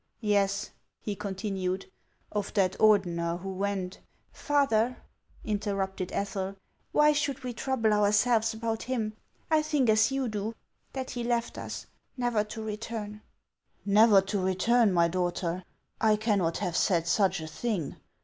" Yes," he continued, " of that Ordener who went — "Father," interrupted Ethel, "why should we trouble ourselves about him ? I think as you do, — that he left us, never to return." 410 HANS OF ICELAND. " Never to return, my daughter ! I cannot have said such a, tiling.